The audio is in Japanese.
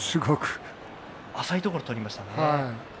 浅いところ取りましたね。